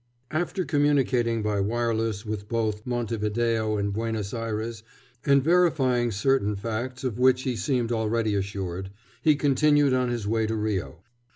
After communicating by wireless with both Montevideo and Buenos Ayres and verifying certain facts of which he seemed already assured, he continued on his way to Rio.